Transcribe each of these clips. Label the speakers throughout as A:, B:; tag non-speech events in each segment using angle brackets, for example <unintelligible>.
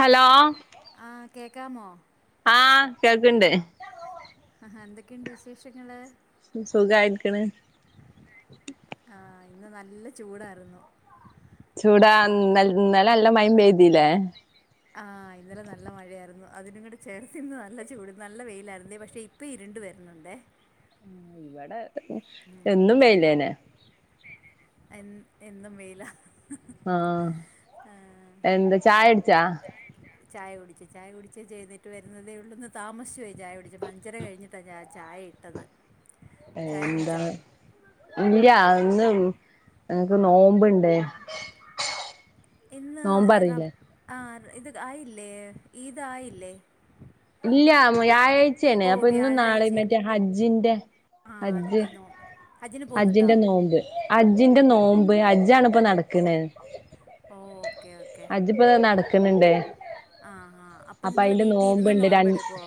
A: Hello
B: ആഹ് കേക്കാമോ
A: ആഹ് കേൾക്ക്ണ്ട്
B: ഹഹ എന്തൊക്കെണ്ട് വിശേഷങ്ങള്
A: സുഖയിരിക്ക്ണ്
B: ആഹ് ഇന്ന് നല്ല ചൂടായിരുന്നു
A: ചൂടാ നാലെ ഇന്നലെ മയിം പെയ്തീലേ
B: ആഹ് ഇന്നലെ നല്ല മഴയായിരുന്നു അതിനുംങ്ങടെ ചേർത്തിന്ന് നല്ല ചൂട് നല്ല വെയിലായിരുന്ന പക്ഷെ ഇപ്പോം ഇരുണ്ട് വരുന്നുണ്ട്േ
A: ഇവിടെ
B: ഉം.
A: എന്നും വെയ്ലനെ
B: എ എന്നും വെയില
A: ആഹ് എന്താ ചായൊടിച്ചാ
B: ചായ കുടിച്ച് ചായ കുടിച്ച് ചെയ്തിട്ട് വരുന്നതേ ഉള്ളിൽന്ന് താമിച്ച പോയി ചായ കുടിച്ചു അഞ്ചര കഴിഞ്ഞിട്ടാ ചായ ചായ ഇട്ടത് ചായ
A: എന്താ
B: കുടിച്ചോ
A: ഇല്ല ഇന്ന് എൻക് നോമ്പുണ്ടേ
B: ഇന്ന് റാം ആ ഇത് ആയില്ലേ ഈത് ആയില്ലേ
A: ഇല്ല വ്യാഴാഴ്ചയാണ്
B: ഓ
A: അപ്പൊ ഇന്നും നാളെയ
B: വ്യാഴാഴ്ച
A: മറ്റേ ഹജ്ജിന്റെ
B: ആഹ്
A: ഹജ്ജ്
B: അതിൻ്റെ നോ ഹജ്ജിന് പോകുന്നുണ്ടോ?
A: അജ്ജിന്റെ നോമ്പ് അജ്ജിന്റെ നോമ്പ് അജ്ജിണിപ്പ നടക്ക്ണ
B: ഓ ഓക്കെ ഓക്കെ
A: ഹജിപ്പോത നടക്ക്ണ്ണ്ടേ
B: ആഹ് ആഹ് അപ്പൊ നിങ്ങള്ൾ വീട്ടിൽ ഇരുന്ന്
A: രണ്ട്
B: നോയ്മ്പെടുക്കുവോ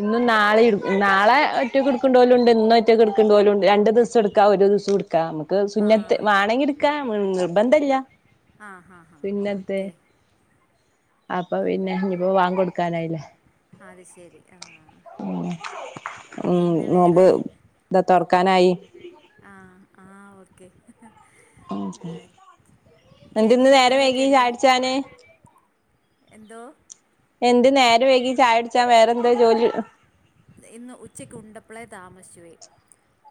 A: ഇന്നും നാളെ നാളെ ഒറ്റക്ക്ടുക്കേണ്ട പോലുണ്ട് ഇന്നും ഒറ്റെടുക്കണ്ട പോലുംണ്ട് രണ്ട് ദിവസം എടുക്ക ഒരു ദിവസം എടുക്കാ നമുക്ക് സുന്നത്ത്
B: ആഹ്
A: വാണെങ്കിടുക്ക നിർബന്ധമല്ല
B: ആഹ് ഹാ ഹാ ഓക്കേ
A: അപ്പൊ പിന്നെ ഞിപ്പോ വാങ്കൊടുക്കാനായില്ലേ
B: അത് ശരി ആഹ്
A: ഉ ഉം
B: പിന്നെ
A: നോമ്പ്
B: വേറെ
A: ഇതാ തുറക്കാനായി
B: ആഹ് ആഹ് ഓക്കെ ആഹ്
A: എന്തിന്ന്
B: ചെടിയുടെ
A: നേരം
B: പണിയൊക്കെ
A: വൈകി
B: എന്തായി
A: ചായുടിച്ചാന്
B: എന്തോ
A: എന്തേ നേരം വൈകി ചായ കുടിച്ച വേറെന്താ ജോലി
B: ഇന്ന് ഉച്ചക്കുണ്ടപ്പളെ താമസിചുപോയ്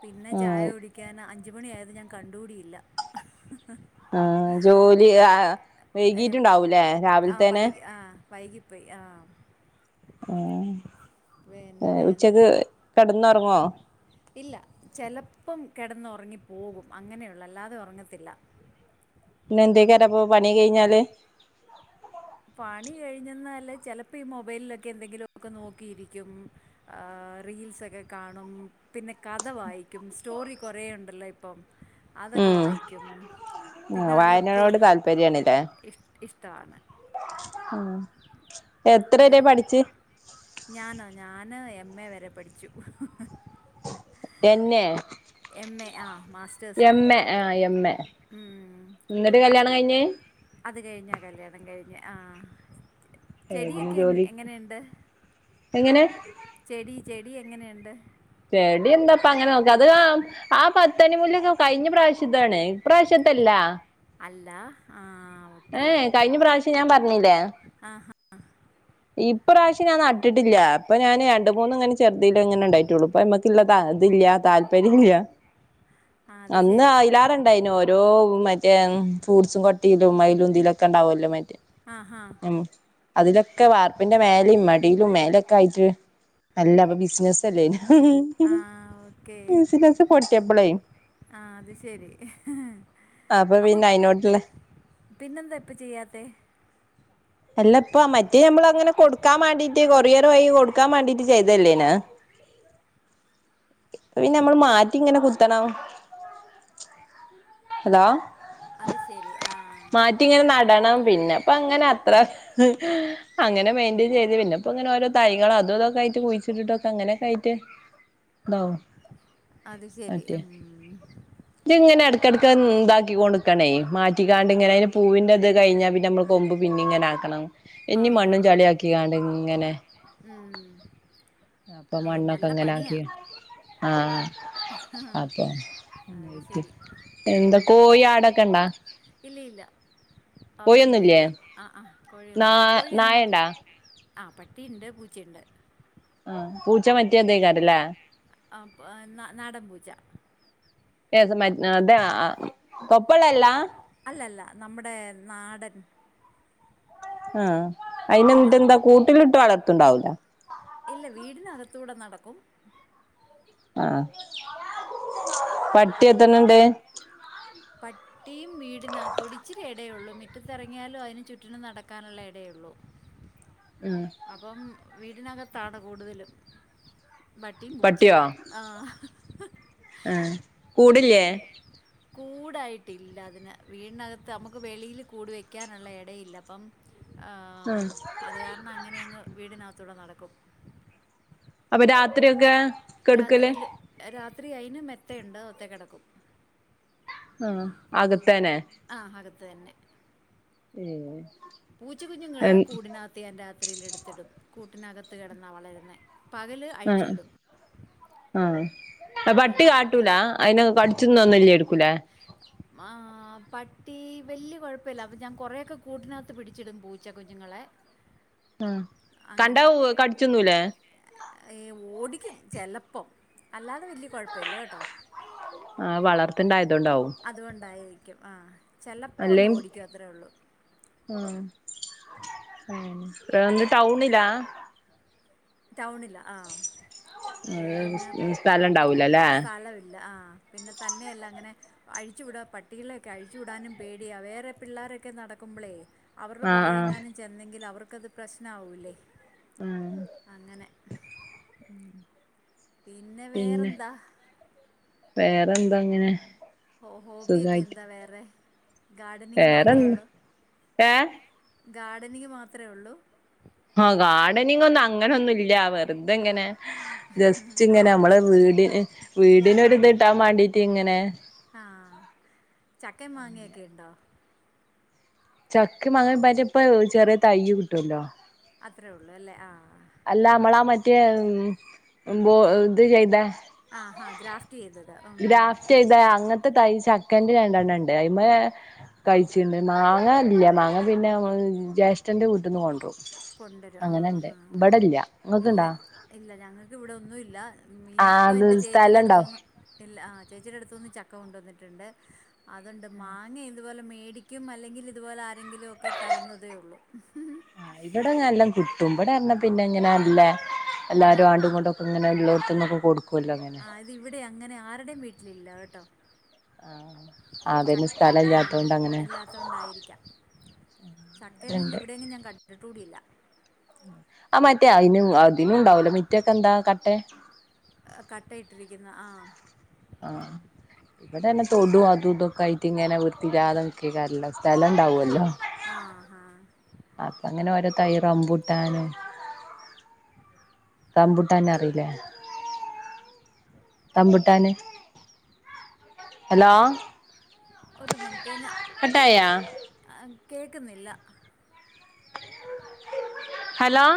B: പിന്നെ
A: ആ
B: ചായ കുടിക്കാൻ അഞ് അഞ്ചുമണിയായത് ഞാൻ കണ്ടുകൂടിയില്ല
A: ആഹ് ജോലി ആഹ്
B: ഏഹ്
A: വൈകിട്ടുണ്ടാവൂല്ലേ
B: ആഹ്
A: രാവിലത്തേനെ
B: വൈകി പോയി ആഹ്
A: ആഹ്
B: പിന്നെ എന്ത്
A: ഉച്ചക്ക് കിടന്ന് ഉറങ്ങോ
B: ഇല്ല ചിലപ്പം കിടന്നുറങ്ങിപ്പോകും അങ്ങനെയുള്ളൂ അല്ലാതെ ഉറങ്ങത്തില്ല
A: പിന്നെന്തേ കാരപ്പോ പണി കഴിഞ്ഞാല്
B: പണി കഴിഞ്ഞന്നാല് ചെലപ്പോ ഈ മൊബൈലിലൊക്കെ എന്തെങ്കിലൊക്കെ നോക്കിയിരിക്കും ആഹ് റീൽസൊക്കെ കാണും പിന്നെ കഥ വായിക്കും സ്റ്റോറി കുറേ ഉണ്ടല്ലോ ഇപ്പം അതൊക്കെ
A: ഉം
B: വായിക്കും
A: ആഹ്
B: പിന്നെ വല്ല ബുക്കോ
A: വായനയോട്
B: ഇഷ് ഇഷ്ടവാണ്
A: ആഹ് എത്ര
B: ഇത്
A: വരെ പഠിച്ച്
B: ഞാനോ ഞാന് എം എ വരെ പഠിച്ചു
A: എന്നെ
B: എം എ ആഹ് മാസ്
A: എം എ ആഹ് എം എ
B: ഉം.
A: എന്നിട്ട് കല്യാണം കഴിഞ്ഞ്
B: അത് കഴിഞ്ഞാ കല്യാണം കഴിഞ്ഞേ ആഹ്
A: ഏഹ് പിന്നെ
B: ചെടിയൊക്കെ
A: ജോലി
B: എങ്ങനെയുണ്ട്
A: എങ്ങനെ
B: ചെടി ചെടി എങ്ങനെയുണ്ട്
A: ചെടി എന്താപ്പ അങ്ങനെ നോക്ക അത് കാ ആഹ് പത്തണിമുല്ലോക്കെ കഴിഞ്ഞ പ്രാവശ്യത്താണ് ഇപ്രാവശ്യത്തല്ല
B: അല്ല ആഹ് ഓ
A: ഏഹ് കഴിഞ്ഞ പ്രാവശ്യം ഞാൻ പറഞ്ഞില്ലേ
B: ആഹാ
A: ഇപ്രാവശ്യ ഞാൻന്നട്ടിട്ടില്ല അപ്പൊ ഞാന് രണ്ട് മൂന്നുങ്ങനെ ചെറുതിൽ ഇങ്ങനെ ഉണ്ടായിട്ടുള്ളു പ്പ നമ്മക്ക്ള്ളതാ ഇതില്ല താല്പര്യം ഇല്ല
B: ആ അത്
A: അന്ന്
B: ശരി
A: ആയിലാറ പയ്ന് ഓരോ മറ്റേ ഫ്രൂട്സും കൊട്ടയിലും മയിലുംതിലും ഒക്കെ ഉണ്ടാവല്ലോ മറ്റേ
B: ആഹാ
A: അതിലൊക്കെ വാർപ്പിന്റെ മേലയും മടിയിലും മേലൊക്കെ ആയിട്ട് നല്ല ബിസിനസ് തലേ
B: ആ
A: ബിസിനസ് പൊട്ടിയപ്പളെ
B: ആഹ് അത് ശരി അപ്പൊ
A: പിന്നെ അയിനോട്ടുള്ള
B: പിന്നെന്താ ഇപ്പ ചെയ്യാത്ത
A: അല്ല ഇപ്പ മറ്റേ നമ്മളങ്ങനെ കൊടുക്കാൻ മാണ്ടീട്ട് കൊറിയർ വഴി കൊടുക്കാൻ മാണ്ടീട്ട് ചെയ്തല്ലേന പിന്ന നമ്മൾ മാറ്റി ഇങ്ങനെ കുത്തണം ഹലോ
B: അത് ശരി ആഹ്
A: മാറ്റി ഇങ്ങനെ നടണം പിന്നെ പ്പൊ അങ്ങനെ അത്ര അങ്ങനെ മെയിന്റൻ ചെയ്ത് പിന്നെപ്പൊ ഇങ്ങനെ ഓരോ തൈകൾ അതുതൊക്കെ ആയിട്ട് കുഴിച്ചിട്ടിട്ടൊക്കെ അങ്ങനെയൊക്കെ ആയിട്ട് ഇതാവും
B: അത് ശരി
A: മറ്റേ
B: ഉം
A: ഇത് ഇങ്ങനെ ഇടയ്ക്കടക്ക ഇതാക്കി കൊടുക്കണേ മാറ്റിക്കാണ്ട്ങ്ങനെ പൂവിൻന്റെത് കഴിഞ്ഞാ പിന്നെ നമ്മ കൊമ്പ് പിന്നെ ഇങ്ങനെ ആക്കണം
B: ആ
A: ഇനി
B: ഹാ
A: മണ്ണും ചളിയാക്കികാണ്ട് ഇങ്ങനെ
B: ഉം
A: അപ്പൊ
B: ആ
A: മണ്ണൊക്കെ
B: നല്ല
A: ങ്ങനെ
B: പണിയാ
A: ആക്കി ആഹ് അപ്പൊ
B: അത് ശരി
A: എന്താ
B: ഉം.
A: കോഴി ആടൊക്കെണ്ടാ
B: അതൊന്നു ഇല്ല ആഹ് ആഹ് കോഴിയൊന്നു
A: നാ
B: ഇല്ല കോഴി
A: നായണ്ടാ
B: ആഹ് പട്ടിയുണ്ട് പൂച്ചയുണ്ട്
A: ആഹ് പൂ
B: അപ് നാ നാടൻ പൂച്ച
A: ഏത് മ അതാ തൊപ്പള്ളല്ല
B: അല്ലല്ല. നമ്മുടെ നാടൻ.
A: ആ.
B: ന-
A: അയിനെന്നട്ട്ന്താ കൂട്ടിലിട്ട് വളർത്തണ്ടാവൂല.
B: ഇല്ല. വീടിനകത്തൂടെ നടക്കും.
A: ആഹ. പട്ടി എത്തർണണ്ട്?
B: പ ട്ടിയും വീടിനകത്തൂടി ച്ചിരി എടേ ഒള്ളൂ മിറ്റത്തെറങ്ങ്യാലും അയ്ന് ചുറ്റിനും നടക്കാന്ള്ള എടെയൊള്ളൂ.
A: ഉം.
B: അപ്പം വീടിനകത്താണ് കൂടുതലും. പട്ടിം പൂച്ചേം.
A: പട്ടിയോ
B: ആഹ്
A: ആഹ് കൂടില്ലേ
B: ആഹ് കൂടായിട്ടില്ലതിന്. വീടിനകത്ത് അമക്ക് വെളിയിൽ കൂട് വെക്ക്യാന്ള്ള എടയില്ല. അപ്പം
A: ആ
B: ആഹ് അത് കാരണം അങ്ങന്യങ്ങ് വീടിനകത്തൂടെ നടക്കും.
A: അപ്പൊ രാത്രിയൊക്കെ? കെടുക്കല്
B: രാത്രിയില് രാത്രി അയ്ന് മെത്തയുണ്ട്. മെത്തെ കെടക്കും.
A: ആഹ് അകത്തേന്നെ?
B: ആഹ് അകത്ത് തന്നെ.
A: ഏഹ്?
B: പൂച്ച കുുഞ്ഞുങ്ങള് കൂടിനകത്ത് ഞാൻ രാത്രിയിലിട്ത്ത്ടും കൂട്ടിനകത്ത്‌ കെടന്നാ വളര്ന്നേ. പകല് അഴിച്ച് വിടും.
A: ആഹ് അ പട്ടി
B: അങ്ങനെ
A: കാട്ടൂലാ അയിനെ കടിച്ച്ന്നൊന്നുല്ലേര്ക്കുലേ?
B: ആഹ് പട്ടി വെല്ല്യ കൊഴപ്പല്ല അപ്പൊ ഞാൻ കൊറേക്കെ കൂട്ടിനകത്ത് പിടിച്ചിടും പൂച്ച കുഞ്ഞുങ്ങളെ.
A: ഉം കണ്ടാ വ് കട്ച്ച്ന്നൂല്ലേ?
B: ഏഹ് ഓടിക്കും ചെലപ്പം അല്ലാതെ വെല്ല്യ കൊഴപ്പല്ല കെട്ടോ.
A: ആഹ് വളർത്ത്ണ്ടായതോണ്ടാവും.
B: അത്കൊണ്ടായിരിക്കും ആഹ് ചെലപ്പോ ഒന്ന് ഓടിക്കും അത്രേ ഒള്ളൂ.
A: ഉം ഉം ആഹ് ഇന്ന് ടൗണിലാ?
B: ടൗണിലാ ആഹ് അത് കാരണം
A: സ്ഥലം ഉണ്ടാവൂലല്ലേ
B: സ്ഥലവില്ല ആഹ് പിന്നെ തന്നെയല്ല അങ്ങനെ അഴിച്ചു വിടാൻ പട്ടികളെക്കെ അഴിച്ചു വിടാനും പേടിയാ വേറെ പിള്ളാരൊക്കെ നടക്കുമ്പളേ അവർടെ
A: ആഹ്
B: പുറകെ
A: ആഹ്
B: എങ്ങാനും ചെന്നെങ്കില് അവർക്കത് പ്രശ്നാവൂല്ലേ?
A: ഉം
B: അങ്ങനെ.
A: ഉം.
B: പിന്നെ വേറെന്താ?
A: വേറെന്താങ്ങനെ
B: ഹോ ഹോബ്യൊക്കെന്താ വേറെ? ഗാർഡനിംഗ്
A: വേറെന്താ
B: മാത്രേള്ളോ?
A: ഏഹ്
B: ഗാർഡനിങ് മാത്രേ ഒള്ളൂ?
A: ആഹ് ഗാർഡനിങ്ങൊന്നും അങ്ങനൊന്നുല്ല വെറ്തെങ്ങനെ. ജസ്റ്റ്ങ്ങനെ അമ്മളെ വീട് എഹ് വീട്നൊരുത്ട്ടാമാണ്ടീട്ടിങ്ങനെ.
B: ആഹ് ചക്കേം മാങ്ങേക്കെണ്ടോ?
A: ചക്ക, മാങ്ങ പ്പയിന്റെ ഇപ്പ ചെറിയ തൈയ്യ് കിട്ടോല്ലോ?
B: അത്രേള്ളൂ അല്ലേ ആഹ് ആഹ്
A: അല്ല അമ്മളാ മറ്റേ ഉം ബോ ഇത് ചെയ്ത.
B: ആഹ് ഹാ ഗ്രാഫ്റ്റ് ചെയ്തത്. ഉം
A: ഗ്രാഫ്റ്റെയ്ത അങ്ങൻത്തെ തയ് ചക്കൻന്റെ രണ്ടെണ്ണണ്ട്. അയ്മെ കയ്ച്ച്ണ്ട് മാങ്ങ ഇല്ല്യ മാങ്ങ പിന്നെ ഞങ്ങള് ജ്യേഷ്ഠൻ്റെ വീട്ട്ന്ന് കൊണ്ട്രും.
B: കൊണ്ടുവരും ആഹ്
A: അങ്ങനെണ്ട്
B: ആഹ്
A: ഇബടല്ല ഇങ്ങക്ക്
B: ഇല്ല
A: ണ്ടാ?
B: ഇല്ല. ഞങ്ങക്ക് വടെ ഒന്നുല്ല ഞ്ഞീ
A: ആഹ്
B: ഇപ്പൊ
A: അത്
B: എന്റെ
A: സ്ഥലം
B: ചേച്ചിടെ
A: ഉണ്ടാവും
B: ട്ത്തൂന്ന്. ഇല്ല. ആഹ് ചേച്ചിയുടെ അടുത്തൂന്ന് ചക്ക കൊണ്ടുവന്നിട്ടുണ്ട്. അതുണ്ട് മാങ്ങ- ഇതുപോലെ മേടിക്കും അല്ലെങ്കിൽ ഇതുപോലെ ആരെങ്കിലു ഒക്കെ തരുന്നതേ ഉള്ളൂ.
A: ആഹ് ഇവടെങ്ങ എല്ലാം കിട്ടും ഇവിടെ ന്ന് പറഞ്ഞ പിന്നെ ഇങ്ങനെ നല്ല എല്ലാരും
B: ആഹ്
A: അങ്ങോട്ട്‌ ഇങ്ങോട്ടും അങ്ങനെ ഉള്ളോടത് നിന്നൊക്കെ കൊടുക്കുമല്ലോ അങ്ങനെ.
B: അത് ഇവിടെ അങ്ങനെ ആരുടെയും വീട്ടിലില്ല കേട്ടോ? ച
A: അതന്നെ സ്ഥലം
B: ആഹ്
A: ഇല്ലാത്തോണ്ട് അങ്ങനെ
B: ഇല്ലാത്തൊണ്ടായിരിക്കാം. ചക്കയൊന്നും
A: ഉണ്ട്
B: ഇവിടെയെങ്കിലും ഞാൻ കണ്ടിട്ട് കൂടിയില്ല.
A: ആഹ് മറ്റേ അതി അതിനും ഉണ്ടാവലോ മുറ്റം ഒക്കെ എന്താ കട്ടെ
B: കട്ട ഇട്ടിരിക്കുന്ന ആഹ്
A: ആഹ് ഇവിടെ തന്നെ തൊടും അതും ഇതൊക്കെ ആയിട്ട് ഇങ്ങനെ വൃത്തില്ലാ തെ നിൽക്കായിരിക്കുവല്ലോ. സ്ഥലം ഉണ്ടാവു ല്ലോ?
B: ആ, ഹാ
A: അപ്പ അങ്ങനെ ഓരോ തൈ റമ്പൂട്ടാന്
B: <unintelligible>
A: റമ്പുട്ട ന്നെ അറിയില്ലേ? ബുട്ടാന് ഹലോ
B: ഒരു മിനിറ്റ് ഞാ
A: കട്ടായ
B: ആഹ് കേൾക്കുന്നില്ല.
A: ഹലോ